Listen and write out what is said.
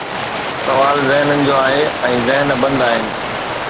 سوال ذهنن جو آهي ۽ ذهن بند آهن.